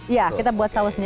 iya kita buat sausnya